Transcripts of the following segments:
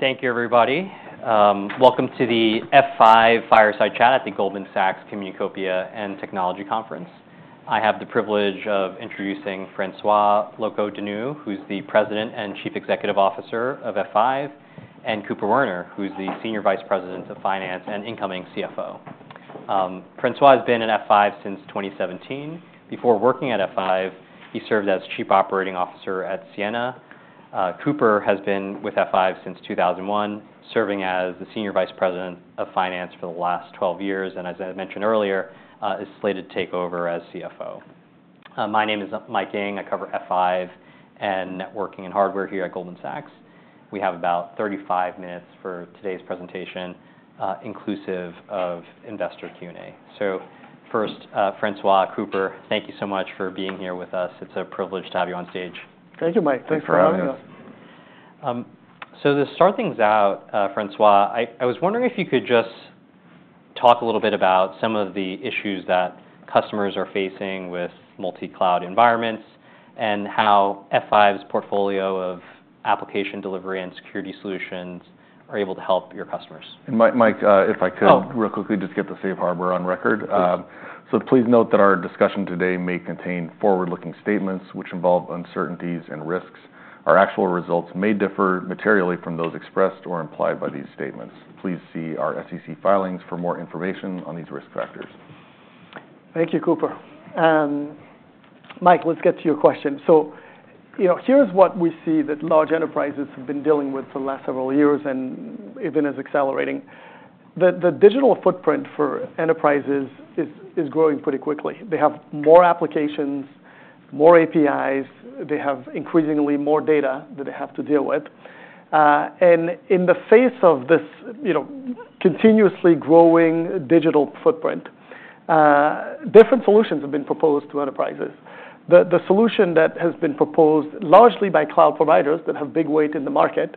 Thank you, everybody. Welcome to the F5 Fireside Chat at the Goldman Sachs Communacopia and Technology Conference. I have the privilege of introducing François Locoh-Donou, who's the President and Chief Executive Officer of F5, and Cooper Werner, who's the Senior Vice President of Finance and incoming CFO. François has been at F5 since 2017. Before working at F5, he served as Chief Operating Officer at Ciena. Cooper has been with F5 since 2001, serving as the Senior Vice President of Finance for the last 12 years, and as I mentioned earlier, is slated to take over as CFO. My name is Mike Ng. I cover F5 and networking and hardware here at Goldman Sachs. We have about 35 minutes for today's presentation, inclusive of investor Q&A. First, François, Cooper, thank you so much for being here with us. It's a privilege to have you on stage. Thank you, Mike. Thanks for having us. Thank you. To start things out, François, I was wondering if you could just talk a little bit about some of the issues that customers are facing with multi-cloud environments, and how F5's portfolio of application delivery and security solutions are able to help your customers? Mike, if I could- Oh. Real quickly, just get the Safe Harbor on record. Sure. Please note that our discussion today may contain forward-looking statements, which involve uncertainties and risks. Our actual results may differ materially from those expressed or implied by these statements. Please see our SEC filings for more information on these risk factors. Thank you, Cooper. Mike, let's get to your question. So, you know, here's what we see that large enterprises have been dealing with for the last several years, and even as accelerating. The digital footprint for enterprises is growing pretty quickly. They have more applications, more APIs. They have increasingly more data that they have to deal with. And in the face of this, you know, continuously growing digital footprint, different solutions have been proposed to enterprises. The solution that has been proposed largely by cloud providers that have big weight in the market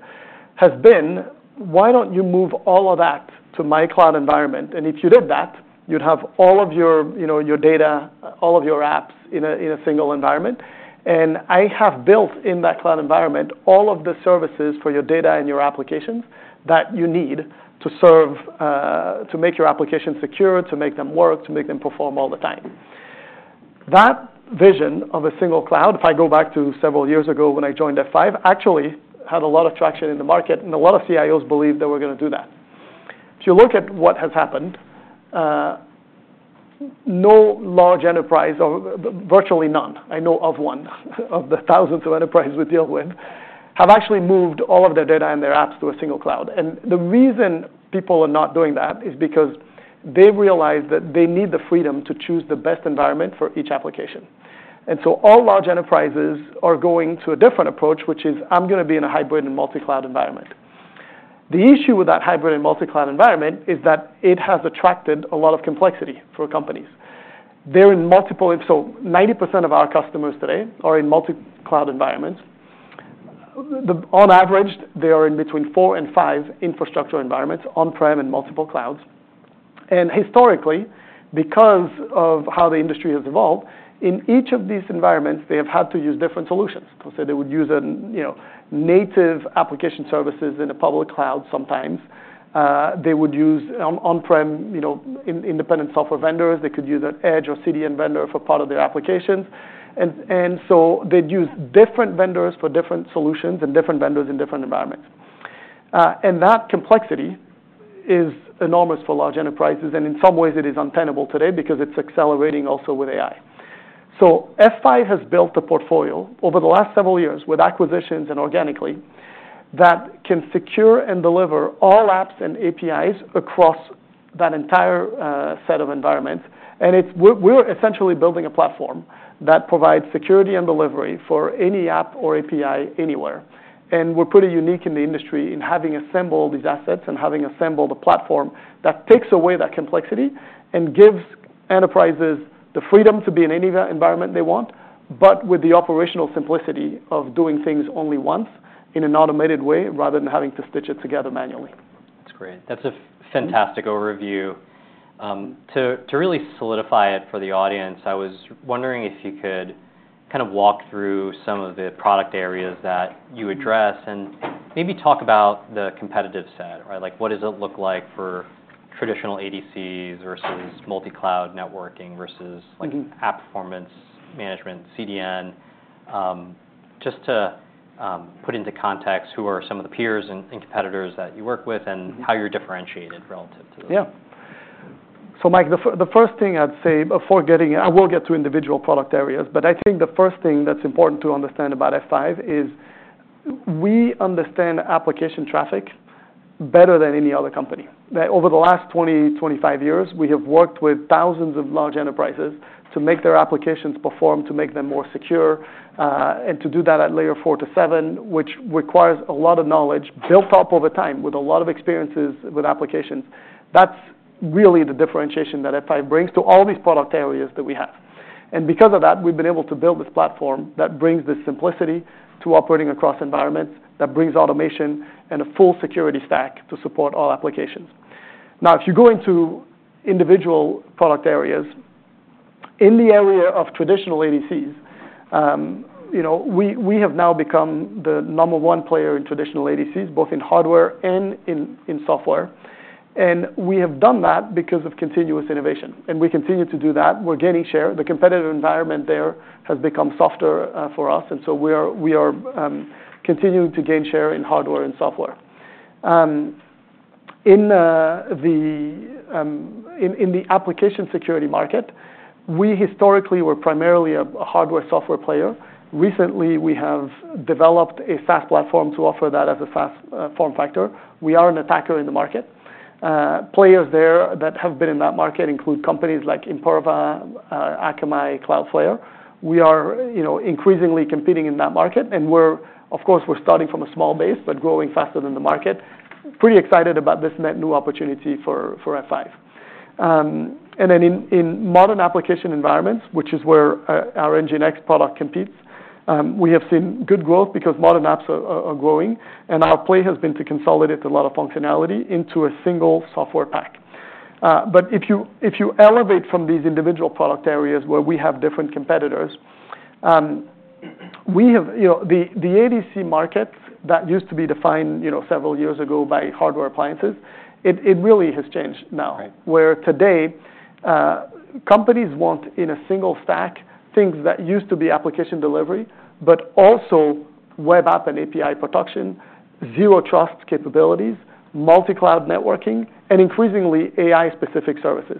has been: why don't you move all of that to my cloud environment? And if you did that, you'd have all of your, you know, your data, all of your apps in a single environment. And I have built in that cloud environment, all of the services for your data and your applications that you need to serve to make your application secure, to make them work, to make them perform all the time. That vision of a single cloud, if I go back to several years ago when I joined F5, actually had a lot of traction in the market, and a lot of CIOs believed that we're gonna do that. If you look at what has happened, no large enterprise, or virtually none, I know of one, of the thousands of enterprises we deal with, have actually moved all of their data and their apps to a single cloud. And the reason people are not doing that is because they've realized that they need the freedom to choose the best environment for each application. All large enterprises are going to a different approach, which is: I'm gonna be in a hybrid and multi-cloud environment. The issue with that hybrid and multi-cloud environment is that it has attracted a lot of complexity for companies. They're in multiple environments. Ninety percent of our customers today are in multi-cloud environments. On average, they are in between four and five infrastructure environments, on-prem and multiple clouds. Historically, because of how the industry has evolved, in each of these environments, they have had to use different solutions. They would use, you know, native application services in a public cloud sometimes. They would use on-prem, you know, independent software vendors. They could use an edge or CDN vendor for part of their applications. And so they'd use different vendors for different solutions and different vendors in different environments. And that complexity is enormous for large enterprises, and in some ways it is untenable today because it's accelerating also with AI. So F5 has built a portfolio over the last several years with acquisitions and organically, that can secure and deliver all apps and APIs across that entire set of environments. And we're essentially building a platform that provides security and delivery for any app or API anywhere. And we're pretty unique in the industry in having assembled these assets and having assembled a platform that takes away that complexity and gives enterprises the freedom to be in any environment they want, but with the operational simplicity of doing things only once in an automated way, rather than having to stitch it together manually. That's great. That's a fantastic overview. To really solidify it for the audience, I was wondering if you could kind of walk through some of the product areas that you address and maybe talk about the competitive set, right? Like, what does it look like for traditional ADCs versus multi-cloud networking versus like, app performance, management, CDN? Just to put into context, who are some of the peers and competitors that you work with, and how you're differentiated relative to them? Yeah. So Mike, the first thing I'd say before getting, I will get to individual product areas, but I think the first thing that's important to understand about F5 is we understand application traffic better than any other company. That over the last twenty, twenty-five years, we have worked with thousands of large enterprises to make their applications perform, to make them more secure, and to do that at layer four to seven, which requires a lot of knowledge built up over time, with a lot of experiences with applications. That's really the differentiation that F5 brings to all these product areas that we have. And because of that, we've been able to build this platform that brings the simplicity to operating across environments, that brings automation and a full security stack to support all applications. Now, if you go into individual product areas, in the area of traditional ADCs, you know, we have now become the number one player in traditional ADCs, both in hardware and in software. And we have done that because of continuous innovation, and we continue to do that. We're gaining share. The competitive environment there has become softer for us, and so we are continuing to gain share in hardware and software. In the application security market, we historically were primarily a hardware software player. Recently, we have developed a SaaS platform to offer that as a SaaS form factor. We are an attacker in the market. Players there that have been in that market include companies like Imperva, Akamai, Cloudflare. We are, you know, increasingly competing in that market, and we're of course, we're starting from a small base, but growing faster than the market. Pretty excited about this net new opportunity for F5, and then in modern application environments, which is where our NGINX product competes, we have seen good growth because modern apps are growing, and our play has been to consolidate a lot of functionality into a single software pack, but if you elevate from these individual product areas where we have different competitors. You know, the ADC market that used to be defined, you know, several years ago by hardware appliances, it really has changed now. Right. Whereas today, companies want, in a single stack, things that used to be application delivery, but also web app and API protection, zero trust capabilities, multi-cloud networking, and increasingly, AI-specific services.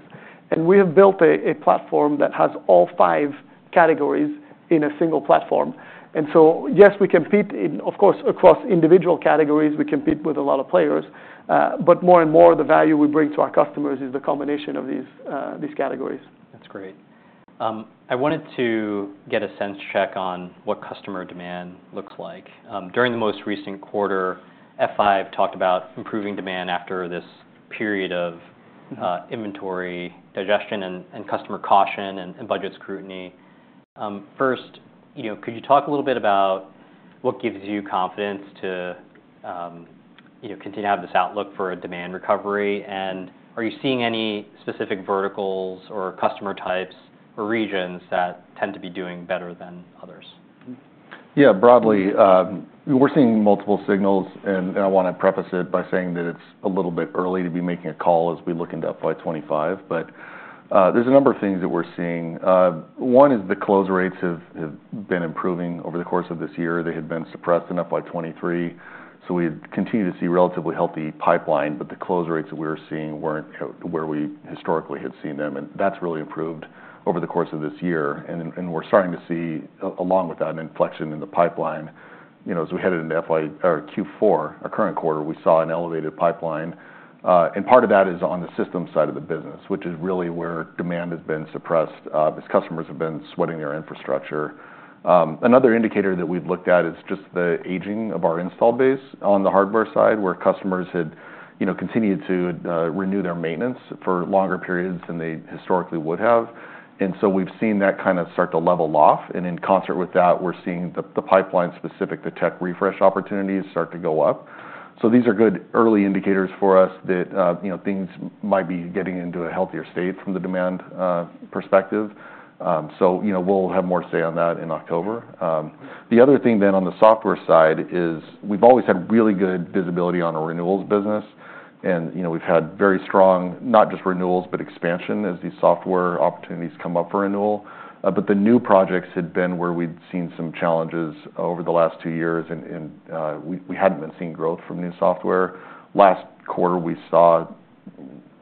And we have built a platform that has all five categories in a single platform. And so, yes, we compete in, of course, across individual categories, we compete with a lot of players, but more and more, the value we bring to our customers is the combination of these categories. That's great. I wanted to get a sense check on what customer demand looks like. During the most recent quarter, F5 talked about improving demand after this period of inventory digestion and customer caution and budget scrutiny. First, you know, could you talk a little bit about what gives you confidence to, you know, continue to have this outlook for a demand recovery? Are you seeing any specific verticals or customer types or regions that tend to be doing better than others? Yeah, broadly, we're seeing multiple signals, and I wanna preface it by saying that it's a little bit early to be making a call as we look into FY 2025. But there's a number of things that we're seeing. One is the close rates have been improving over the course of this year. They had been suppressed in FY 2023, so we continue to see relatively healthy pipeline, but the close rates that we're seeing weren't where we historically had seen them, and that's really improved over the course of this year. And we're starting to see, along with that, an inflection in the pipeline. You know, as we headed into FY 2024 or Q4, our current quarter, we saw an elevated pipeline. And part of that is on the Systems side of the business, which is really where demand has been suppressed, as customers have been sweating their infrastructure. Another indicator that we've looked at is just the aging of our installed base on the hardware side, where customers had, you know, continued to renew their maintenance for longer periods than they historically would have. And so we've seen that kind of start to level off, and in concert with that, we're seeing the pipeline specific to tech refresh opportunities start to go up. So these are good early indicators for us that, you know, things might be getting into a healthier state from the demand perspective. So, you know, we'll have more to say on that in October. The other thing then, on the Software side, is we've always had really good visibility on our renewals business, and you know, we've had very strong, not just renewals, but expansion as these software opportunities come up for renewal, but the new projects had been where we'd seen some challenges over the last two years, and we hadn't been seeing growth from new software. Last quarter, we saw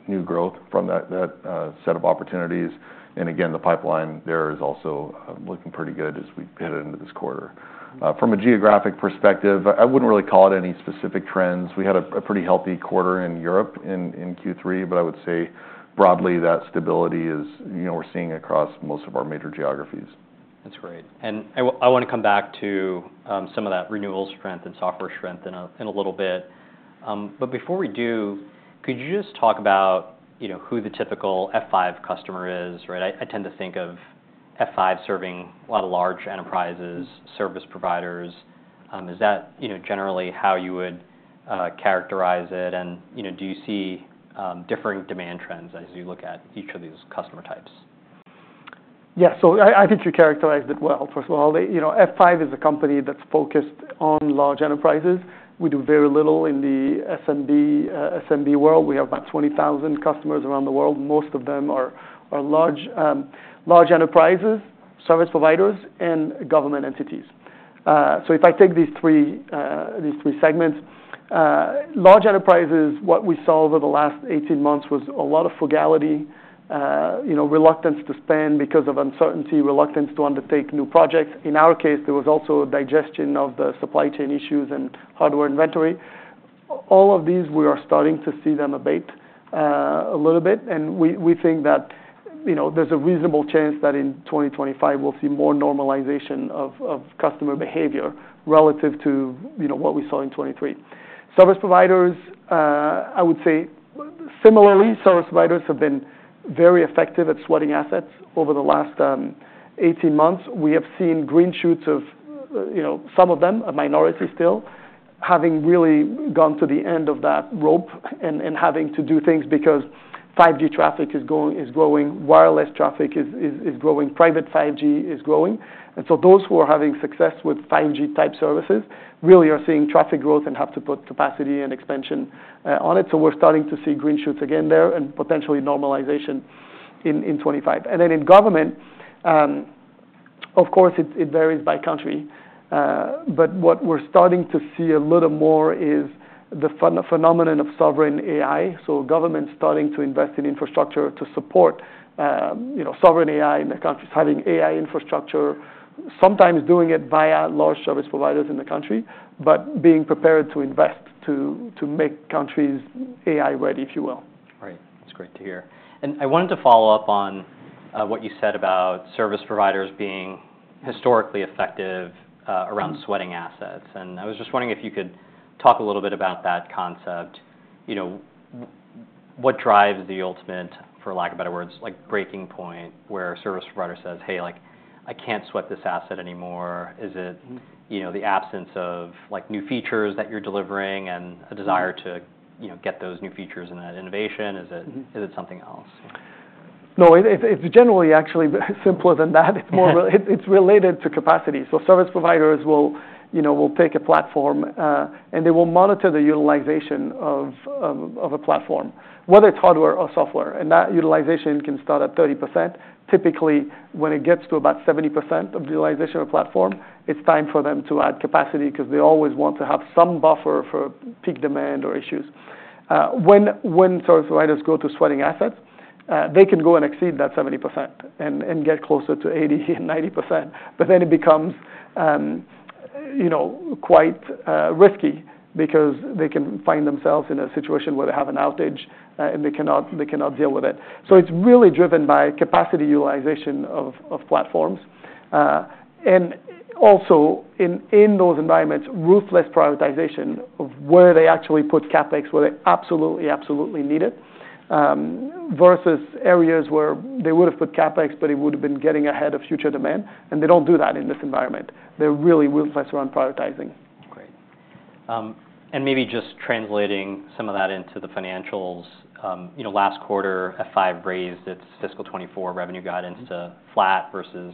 new growth from that set of opportunities, and again, the pipeline there is also looking pretty good as we head into this quarter. From a geographic perspective, I wouldn't really call it any specific trends. We had a pretty healthy quarter in Europe in Q3, but I would say broadly, that stability is, you know, we're seeing across most of our major geographies. That's great, and I wanna come back to some of that renewals strength and software strength in a little bit, but before we do, could you just talk about, you know, who the typical F5 customer is, right? I tend to think of F5 serving a lot of large enterprises, service providers. Is that, you know, generally how you would characterize it, and, you know, do you see differing demand trends as you look at each of these customer types? Yeah. So I think you characterized it well. First of all, you know, F5 is a company that's focused on large enterprises. We do very little in the SMB world. We have about 20,000 customers around the world. Most of them are large enterprises, service providers, and government entities. So if I take these three segments, large enterprises, what we saw over the last 18 months was a lot of frugality, you know, reluctance to spend because of uncertainty, reluctance to undertake new projects. In our case, there was also a digestion of the supply chain issues and hardware inventory. All of these, we are starting to see them abate a little bit, and we think that, you know, there's a reasonable chance that in 2025, we'll see more normalization of customer behavior relative to, you know, what we saw in 2023. Service providers, I would say similarly, service providers have been very effective at sweating assets over the last 18 months. We have seen green shoots of, you know, some of them, a minority still having really gone to the end of that rope and having to do things because 5G traffic is growing, wireless traffic is growing, private 5G is growing. And so those who are having success with 5G-type services really are seeing traffic growth and have to put capacity and expansion on it. So we're starting to see green shoots again there, and potentially normalization in 2025. And then in government, of course, it varies by country. But what we're starting to see a little more is the phenomenon of Sovereign AI. So government starting to invest in infrastructure to support you know, Sovereign AI in the countries, having AI infrastructure, sometimes doing it via large service providers in the country, but being prepared to invest to make countries AI-ready, if you will. Right. That's great to hear. And I wanted to follow up on what you said about service providers being historically effective around sweating assets. And I was just wondering if you could talk a little bit about that concept. You know, what drives the ultimate, for lack of better words, like, breaking point, where a service provider says, "Hey, like, I can't sweat this asset anymore." Is it, you know, the absence of, like, new features that you're delivering and a desire to, you know, get those new features and that innovation? Is it something else? No, it's generally actually simpler than that. Yeah. It's related to capacity. So service providers will, you know, take a platform, and they will monitor the utilization of a platform, whether it's hardware or software, and that utilization can start at 30%. Typically, when it gets to about 70% of the utilization of platform, it's time for them to add capacity because they always want to have some buffer for peak demand or issues. When service providers go to sweating assets, they can go and exceed that 70% and get closer to 80% and 90%. But then it becomes, you know, quite risky because they can find themselves in a situation where they have an outage, and they cannot deal with it. So it's really driven by capacity utilization of platforms. And also, in those environments, ruthless prioritization of where they actually put CapEx, where they absolutely, absolutely need it, versus areas where they would have put CapEx, but it would have been getting ahead of future demand. And they don't do that in this environment. They're really ruthless around prioritizing. Great. And maybe just translating some of that into the financials. You know, last quarter, F5 raised its fiscal 2024 revenue guidance to flat versus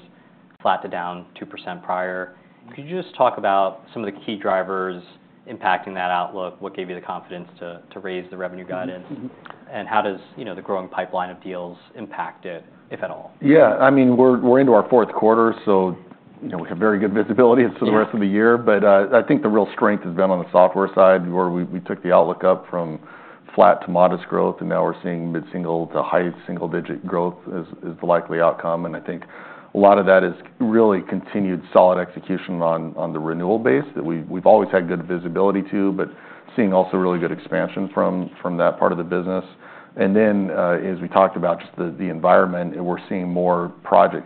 flat to down 2% prior. Mm-hmm. Could you just talk about some of the key drivers impacting that outlook? What gave you the confidence to raise the revenue guidance and how does, you know, the growing pipeline of deals impact it, if at all? Yeah. I mean, we're into our fourth quarter, so, you know, we have very good visibility into the rest of the year. But, I think the real strength has been on the software side, where we took the outlook up from flat to modest growth, and now we're seeing mid-single to high single-digit growth as the likely outcome. And I think a lot of that is really continued solid execution on the renewal base, that we've always had good visibility to, but seeing also really good expansion from that part of the business. And then, as we talked about just the environment, and we're seeing more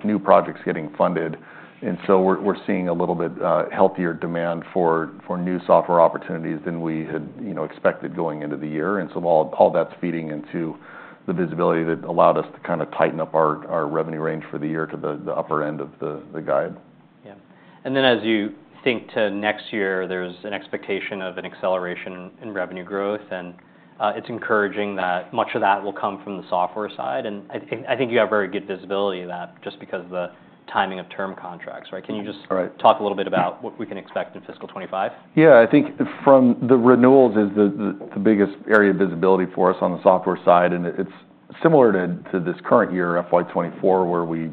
new projects getting funded. And so we're seeing a little bit healthier demand for new software opportunities than we had, you know, expected going into the year. And so all that's feeding into the visibility that allowed us to kind of tighten up our revenue range for the year to the upper end of the guide. Yeah. And then, as you think to next year, there's an expectation of an acceleration in revenue growth, and it's encouraging that much of that will come from the software side. And I think you have very good visibility of that, just because of the timing of term contracts, right? Mm-hmm. Can you just talk a little bit about what we can expect in fiscal 2025? Yeah. I think from the renewals is the biggest area of visibility for us on the Software side, and it's similar to this current year, FY 2024, where we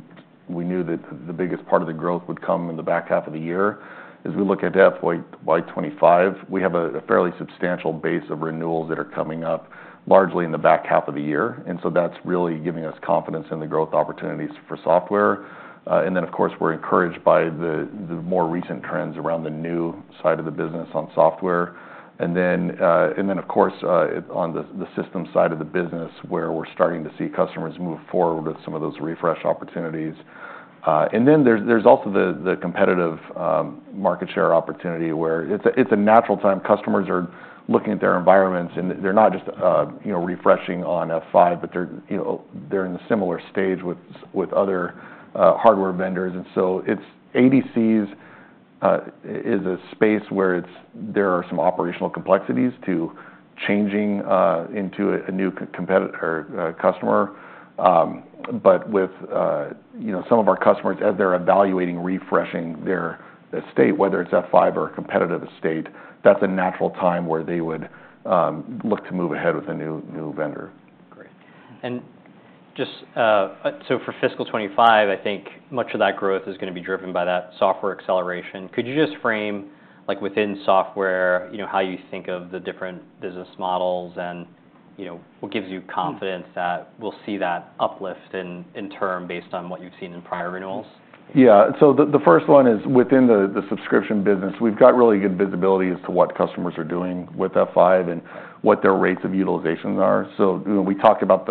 knew that the biggest part of the growth would come in the back half of the year. As we look ahead to FY 2025, we have a fairly substantial base of renewals that are coming up, largely in the back half of the year, and so that's really giving us confidence in the growth opportunities for software. And then, of course, we're encouraged by the more recent trends around the new side of the business on software. And then, of course, on the Systems side of the business, where we're starting to see customers move forward with some of those refresh opportunities. And then there's also the competitive market share opportunity, where it's a natural time. Customers are looking at their environments, and they're not just you know, refreshing on F5, but they're you know, they're in a similar stage with other hardware vendors. And so it's ADCs is a space where there are some operational complexities to changing into a new competitor or customer. But with you know, some of our customers, as they're evaluating refreshing their estate, whether it's F5 or a competitive estate, that's a natural time where they would look to move ahead with a new vendor. Great. And just, so for fiscal 2025, I think much of that growth is gonna be driven by that software acceleration. Could you just frame, like, within software, you know, how you think of the different business models and, you know, what gives you confidence that we'll see that uplift in terms, based on what you've seen in prior renewals? Yeah. So the first one is, within the subscription business, we've got really good visibility as to what customers are doing with F5 and what their rates of utilizations are. So, you know, we talked about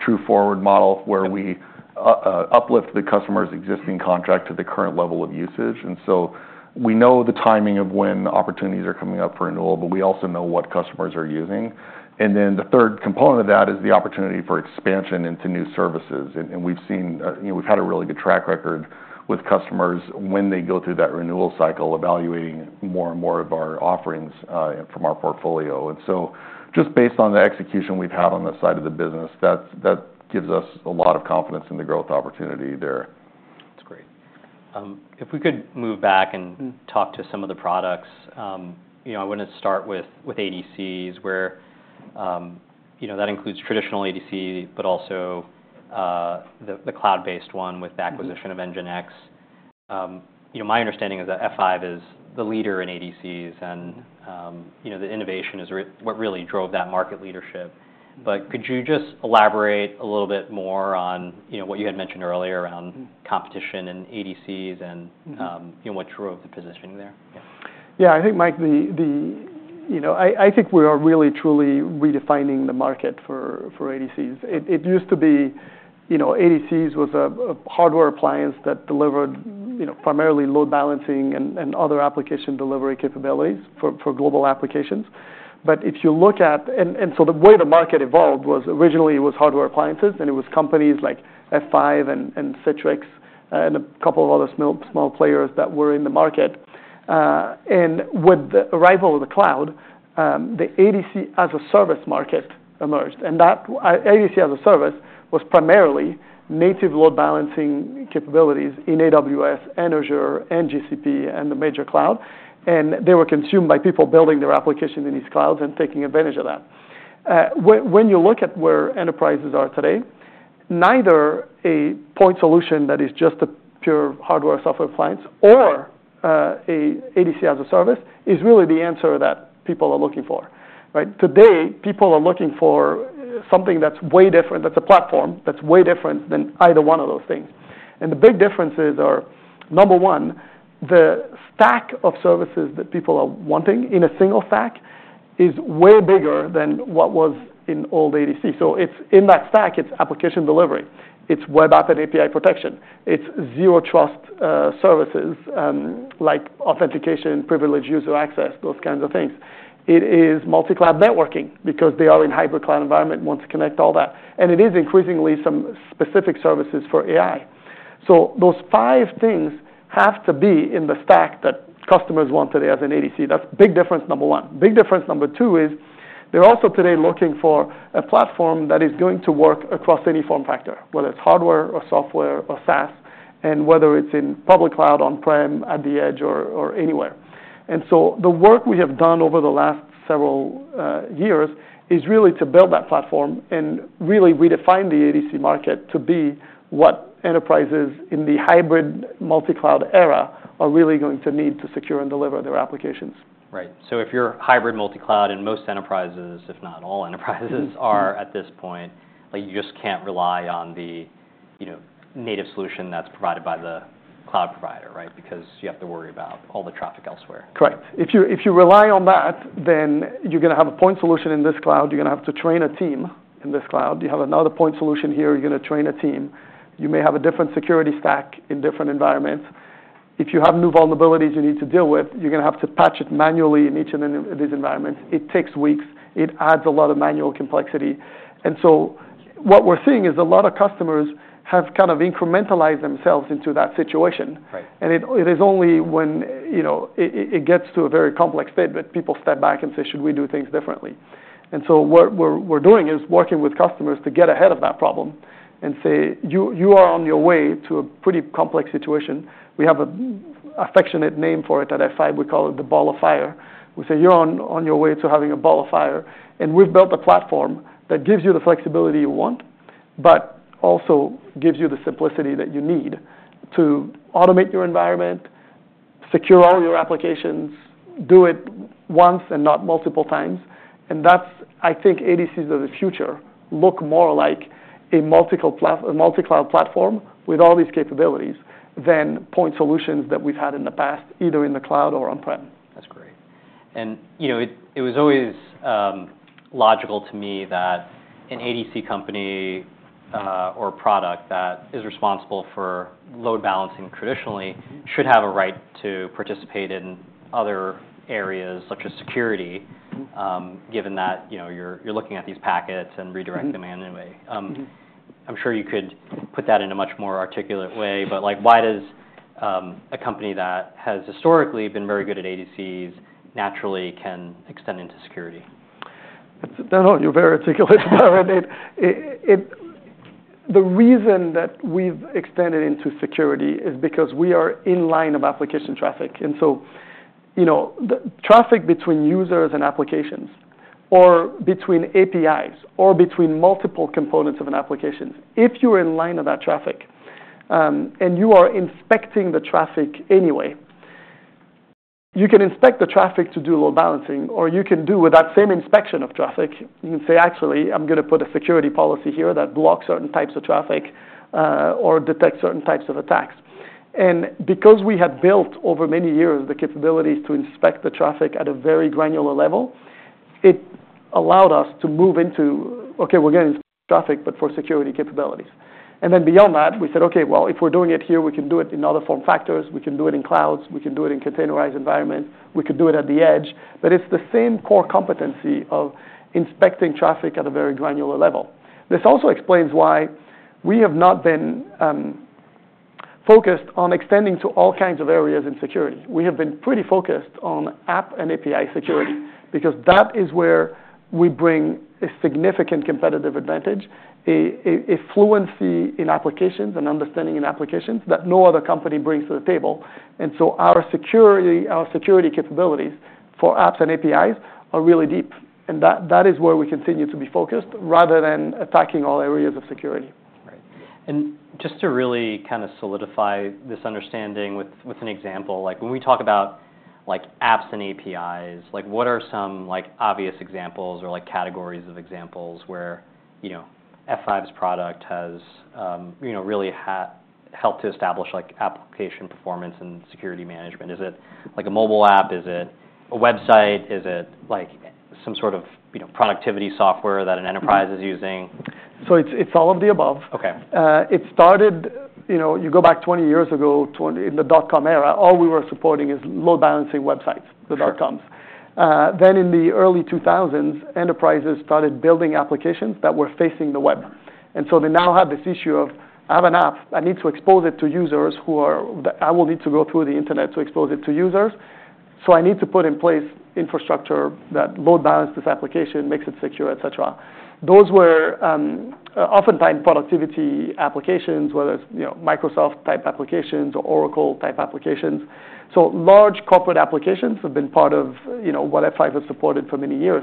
True Forward model where we uplift the customer's existing contract to the current level of usage. And so we know the timing of when opportunities are coming up for renewal, but we also know what customers are using. And then the third component of that is the opportunity for expansion into new services. And we've seen you know, we've had a really good track record with customers when they go through that renewal cycle, evaluating more and more of our offerings from our portfolio. And so just based on the execution we've had on this side of the business, that gives us a lot of confidence in the growth opportunity there. That's great. If we could move back and talk to some of the products. You know, I wanna start with ADCs, where you know, that includes traditional ADC, but also the cloud-based one with the acquisition of NGINX. You know, my understanding is that F5 is the leader in ADCs, and, you know, the innovation is what really drove that market leadership. But could you just elaborate a little bit more on, you know, what you had mentioned earlier around competition and ADCs and, you know, what drove the positioning there? Yeah. Yeah, I think, Mike, the you know, I think we are really truly redefining the market for ADCs. It used to be, you know, ADCs was a hardware appliance that delivered, you know, primarily load balancing and other application delivery capabilities for global applications. But if you look at and so the way the market evolved was, originally, it was hardware appliances, and it was companies like F5 and Citrix and a couple of other small players that were in the market. And with the arrival of the cloud, the ADC-as-a-service market emerged, and that ADC as a service was primarily native load balancing capabilities in AWS and Azure and GCP and the major cloud, and they were consumed by people building their application in these clouds and taking advantage of that. When you look at where enterprises are today, neither a point solution that is just a pure hardware/software appliance or an ADC as a service is really the answer that people are looking for, right? Today, people are looking for something that's way different, that's a platform, that's way different than either one of those things. And the big differences are, number one, the stack of services that people are wanting in a single stack is way bigger than what was in old ADC. So it's in that stack. It's application delivery, it's web app and API protection, it's zero trust services, like authentication, privileged user access, those kinds of things. It is multi-cloud networking because they are in hybrid cloud environment and want to connect all that. And it is increasingly some specific services for AI. So those five things have to be in the stack that customers want today as an ADC. That's big difference number one. Big difference number two is, they're also today looking for a platform that is going to work across any form factor, whether it's hardware or software or SaaS, and whether it's in public cloud, on-prem, at the edge or anywhere. And so the work we have done over the last several years is really to build that platform and really redefine the ADC market to be what enterprises in the hybrid multi-cloud era are really going to need to secure and deliver their applications. Right. So if you're hybrid multi-cloud, and most enterprises, if not all enterprises, are at this point, like, you just can't rely on the, you know, native solution that's provided by the cloud provider, right? Because you have to worry about all the traffic elsewhere. Correct. If you rely on that, then you're gonna have a point solution in this cloud. You're gonna have to train a team in this cloud. You have another point solution here, you're gonna train a team. You may have a different security stack in different environments. If you have new vulnerabilities you need to deal with, you're gonna have to patch it manually in each of these environments. It takes weeks. It adds a lot of manual complexity. And so what we're seeing is a lot of customers have kind of incrementalized themselves into that situation. Right. And it is only when, you know, it gets to a very complex state that people step back and say, "Should we do things differently?" And so what we're doing is working with customers to get ahead of that problem and say, "You are on your way to a pretty complex situation." We have an affectionate name for it at F5. We call it the ball of fire. We say, "You're on your way to having a ball of fire, and we've built a platform that gives you the flexibility you want, but also gives you the simplicity that you need to automate your environment, secure all your applications, do it once and not multiple times." And that's I think ADCs of the future look more like a multi-cloud platform with all these capabilities than point solutions that we've had in the past, either in the cloud or on-prem. That's great. And, you know, it was always logical to me that an ADC company, or product that is responsible for load balancing traditionally, should have a right to participate in other areas, such as security given that, you know, you're looking at these packets and redirecting them anyway. Mm-hmm. I'm sure you could put that in a much more articulate way, but, like, why does a company that has historically been very good at ADCs naturally can extend into security? No, you're very articulate about it. The reason that we've extended into Security is because we are in line of application traffic, and so, you know, the traffic between users and applications or between APIs or between multiple components of an application, if you are in line of that traffic, and you are inspecting the traffic anyway, you can inspect the traffic to do load balancing, or you can do with that same inspection of traffic, you can say, "Actually, I'm gonna put a security policy here that blocks certain types of traffic, or detects certain types of attacks." And because we have built over many years the capabilities to inspect the traffic at a very granular level, it allowed us to move into, okay, we're getting traffic, but for security capabilities. And then beyond that, we said, okay, well, if we're doing it here, we can do it in other form factors. We can do it in clouds, we can do it in containerized environment, we could do it at the edge. But it's the same core competency of inspecting traffic at a very granular level. This also explains why we have not been focused on extending to all kinds of areas in security. We have been pretty focused on app and API security, because that is where we bring a significant competitive advantage, a fluency in applications and understanding in applications that no other company brings to the table. And so our security capabilities for apps and APIs are really deep, and that is where we continue to be focused, rather than attacking all areas of security. Right. And just to really kind of solidify this understanding with an example, like, when we talk about, like, apps and APIs, like, what are some like, obvious examples or like, categories of examples where, you know, F5's product has, you know, really helped to establish, like, Application Performance and Security Management? Is it like a mobile app? Is it a website? Is it like some sort of, you know, productivity software that an enterprise is using? So it's all of the above. Okay. It started, you know, you go back 20 years ago in the dot-com era, all we were supporting is load balancing websites. Sure. The dot-coms. Then in the early 2000s, enterprises started building applications that were facing the web. And so they now have this issue of, I have an app, I need to expose it to users that I will need to go through the internet to expose it to users. So I need to put in place infrastructure that load balances application, makes it secure, et cetera. Those were oftentimes productivity applications, whether it's, you know, Microsoft-type applications or Oracle-type applications. So large corporate applications have been part of, you know, what F5 has supported for many years.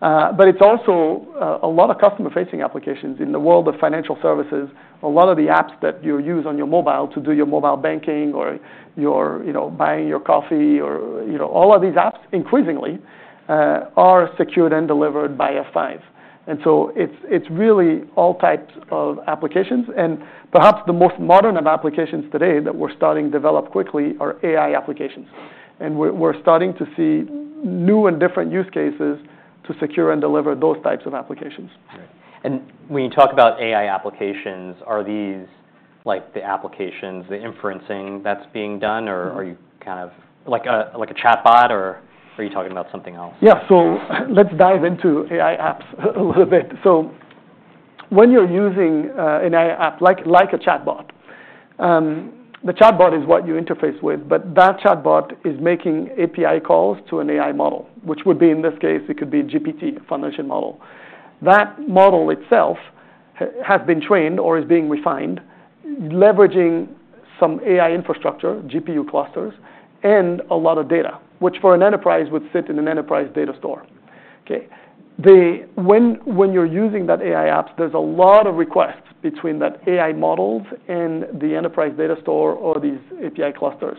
But it's also a lot of customer-facing applications. In the world of financial services, a lot of the apps that you use on your mobile to do your mobile banking or your, you know, buying your coffee or, you know, all of these apps, increasingly, are secured and delivered by F5. And so it's really all types of applications. And perhaps the most modern of applications today that we're starting to develop quickly are AI applications. And we're starting to see new and different use cases to secure and deliver those types of applications. Right. And when you talk about AI applications, are these like the applications, the inferencing that's being done, or? Are you kind of like a chatbot, or are you talking about something else? Yeah. So let's dive into AI apps a little bit. So when you're using an AI app, like a chatbot, the chatbot is what you interface with, but that chatbot is making API calls to an AI model, which would be, in this case, it could be GPT foundation model. That model itself has been trained or is being refined, leveraging some AI infrastructure, GPU clusters, and a lot of data, which for an enterprise, would sit in an enterprise data store, okay? When you're using that AI apps, there's a lot of requests between that AI models and the enterprise data store or these API clusters.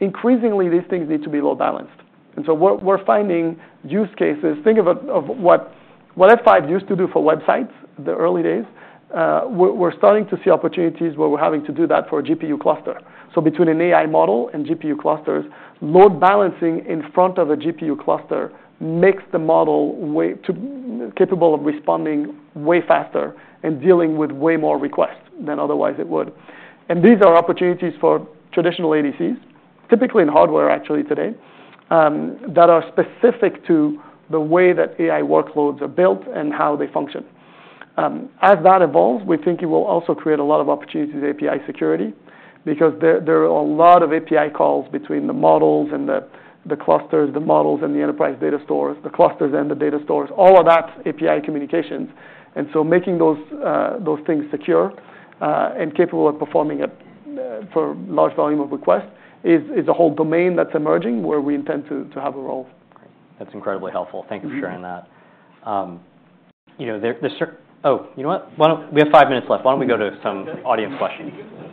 Increasingly, these things need to be load balanced, and so we're finding use cases. Think of what F5 used to do for websites, the early days. We're starting to see opportunities where we're having to do that for a GPU cluster. Between an AI model and GPU clusters, load balancing in front of a GPU cluster makes the model way too capable of responding way faster and dealing with way more requests than otherwise it would. And these are opportunities for traditional ADCs, typically in hardware, actually, today, that are specific to the way that AI workloads are built and how they function. As that evolves, we think it will also create a lot of opportunities in API security, because there are a lot of API calls between the models and the clusters, the models and the enterprise data stores, the clusters and the data stores, all of that's API communications. And so making those things secure and capable of performing for large volume of requests is a whole domain that's emerging where we intend to have a role. Great. That's incredibly helpful. Mm-hmm. Thank you for sharing that. You know what? Why don't we have five minutes left. Why don't we go to some audience questions? Can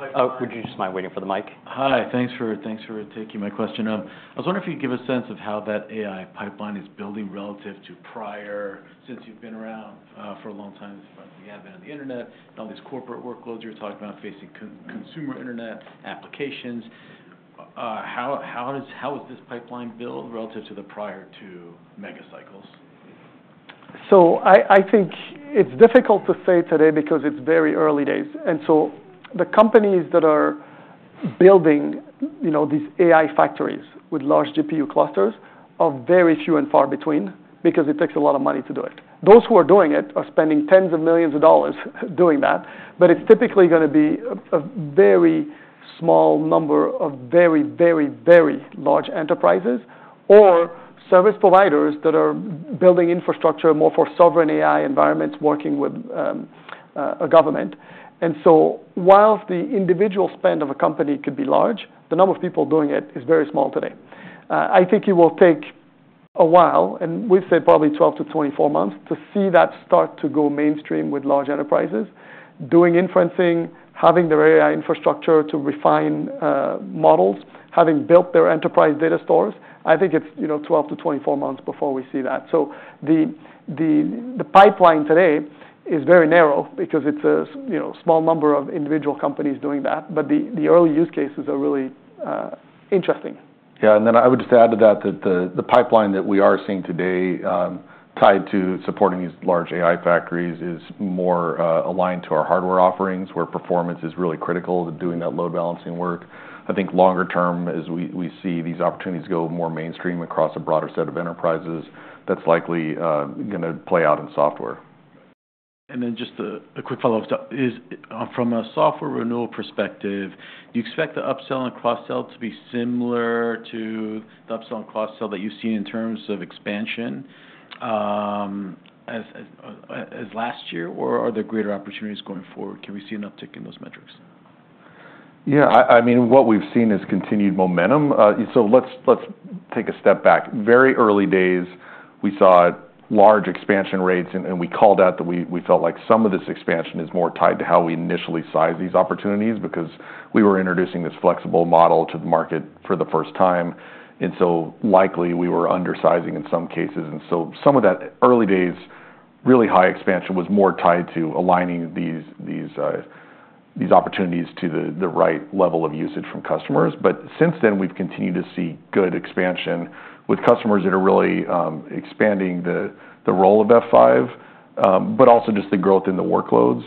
you give us a sense of how that pipeline- Oh, would you just mind waiting for the mic? Hi. Thanks for taking my question. I was wondering if you'd give a sense of how that AI pipeline is building relative to prior, since you've been around for a long time, but you have been on the internet, and all these corporate workloads you're talking about facing consumer internet applications, how is this pipeline built relative to the prior two mega cycles? I think it's difficult to say today because it's very early days, and so the companies that are building, you know, these AI factories with large GPU clusters are very few and far between because it takes a lot of money to do it. Those who are doing it are spending tens of millions of dollars doing that, but it's typically gonna be a very small number of very, very, very large enterprises or service providers that are building infrastructure more for Sovereign AI environments working with a government. While the individual spend of a company could be large, the number of people doing it is very small today. I think it will take a while, and we've said probably 12-24 months, to see that start to go mainstream with large enterprises. Doing inferencing, having their AI infrastructure to refine models, having built their enterprise data stores, I think it's, you know, 12-24 months before we see that. So the pipeline today is very narrow because it's a, you know, small number of individual companies doing that, but the early use cases are really interesting. Yeah, and then I would just add to that, that the pipeline that we are seeing today tied to supporting these large AI factories is more aligned to our hardware offerings, where performance is really critical to doing that load balancing work. I think longer term, as we see these opportunities go more mainstream across a broader set of enterprises, that's likely gonna play out in software. And then just a quick follow-up. Is from a software renewal perspective, do you expect the upsell and cross-sell to be similar to the upsell and cross-sell that you've seen in terms of expansion, as last year? Or are there greater opportunities going forward? Can we see an uptick in those metrics? Yeah, I mean, what we've seen is continued momentum. So let's take a step back. Very early days, we saw large expansion rates, and we called out that we felt like some of this expansion is more tied to how we initially size these opportunities, because we were introducing this flexible model to the market for the first time. And so likely we were undersizing in some cases, and so some of that early days, really high expansion was more tied to aligning these opportunities to the right level of usage from customers. But since then, we've continued to see good expansion with customers that are really expanding the role of F5, but also just the growth in the workloads,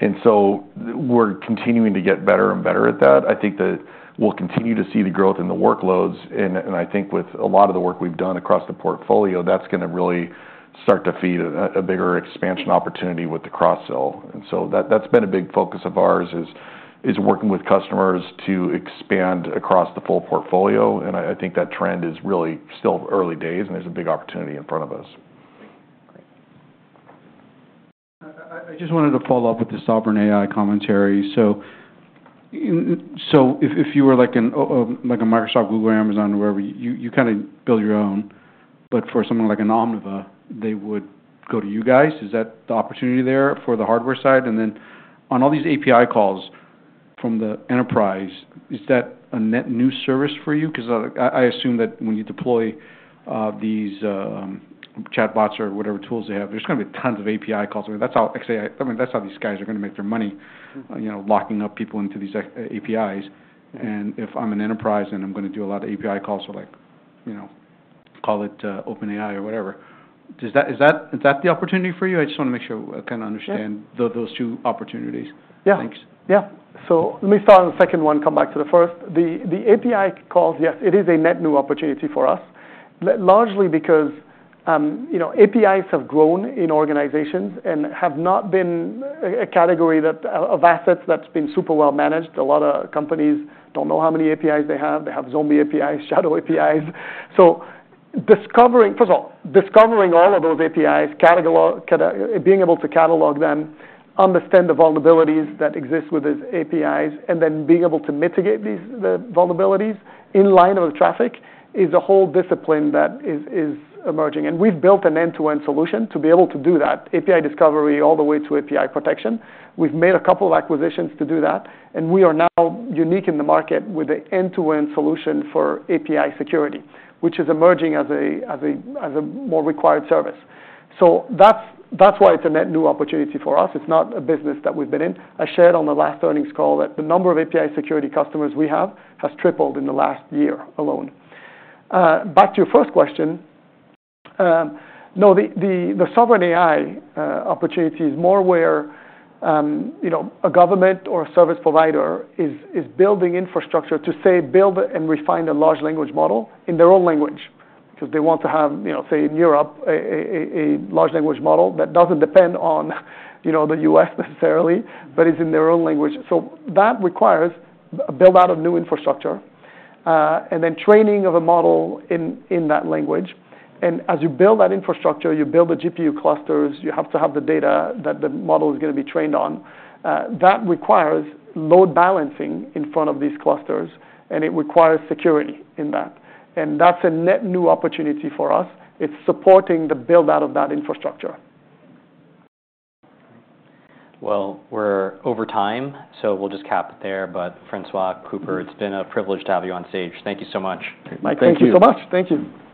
and so we're continuing to get better and better at that. I think that we'll continue to see the growth in the workloads, and I think with a lot of the work we've done across the portfolio, that's gonna really start to feed a bigger expansion opportunity with the cross-sell. And so that's been a big focus of ours, is working with customers to expand across the full portfolio, and I think that trend is really still early days, and there's a big opportunity in front of us. Great. I just wanted to follow up with the Sovereign AI commentary. So if you were like a Microsoft, Google, Amazon, wherever, you kinda build your own. But for someone like an Omnissa, they would go to you guys, is that the opportunity there for the hardware side? And then on all these API calls from the enterprise, is that a net new service for you? Because I assume that when you deploy these chatbots or whatever tools they have, there's gonna be tons of API calls. I mean, that's how, actually, I mean, that's how these guys are gonna make their money, you know, locking up people into these APIs. And if I'm an enterprise and I'm gonna do a lot of API calls for like, you know, call it, OpenAI or whatever, does that, is that the opportunity for you? I just wanna make sure I kinda understand. Those two opportunities. Thanks. Yeah. So let me start on the second one, come back to the first. The API calls, yes, it is a net new opportunity for us, largely because, you know, APIs have grown in organizations and have not been a category of assets that's been super well managed. A lot of companies don't know how many APIs they have. They have zombie APIs, shadow APIs. So, first of all, discovering all of those APIs, being able to catalog them, understand the vulnerabilities that exist with these APIs, and then being able to mitigate the vulnerabilities in line of traffic, is a whole discipline that is emerging. And we've built an end-to-end solution to be able to do that, API discovery all the way to API protection. We've made a couple of acquisitions to do that, and we are now unique in the market with an end-to-end solution for API security, which is emerging as a more required service. So that's why it's a net new opportunity for us. It's not a business that we've been in. I shared on the last earnings call that the number of API security customers we have has tripled in the last year alone. Back to your first question, no, the Sovereign AI opportunity is more where, you know, a government or a service provider is building infrastructure to, say, build and refine a large language model in their own language cause they want to have, you know, say, in Europe, a large language model that doesn't depend on, you know, the U.S. necessarily, but is in their own language. So that requires a build-out of new infrastructure, and then training of a model in that language. And as you build that infrastructure, you build the GPU clusters, you have to have the data that the model is gonna be trained on. That requires load balancing in front of these clusters, and it requires security in that. And that's a net new opportunity for us. It's supporting the build-out of that infrastructure. We're over time, so we'll just cap it there. But François, Cooper, it's been a privilege to have you on stage. Thank you so much. Thank you. Thank you so much. Thank you.